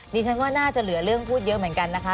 ดิฉันว่าน่าจะเหลือเรื่องพูดเยอะเหมือนกันนะคะ